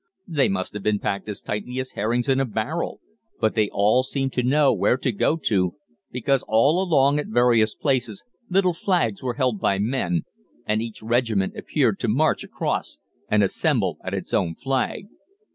They must have been packed as tightly as herrings in a barrel; but they all seemed to know where to go to, because all along at various places little flags were held by men, and each regiment appeared to march across and assemble at its own flag.